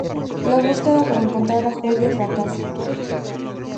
La búsqueda para encontrar a Julia fracasa.